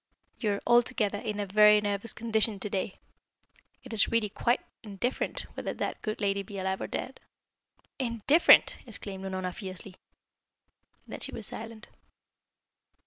You are altogether in a very nervous condition to day. It is really quite indifferent whether that good lady be alive or dead." "Indifferent!" exclaimed Unorna fiercely. Then she was silent.